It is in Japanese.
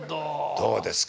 どうですか。